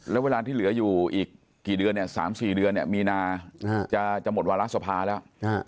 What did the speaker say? แล้วเวลาที่เหลืออยู่อีกกี่เดือนเนี่ย๓๔เดือนเนี่ยมีนาจะหมดวาระสภาแล้ว